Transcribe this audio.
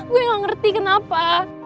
gue gak ngerti kenapa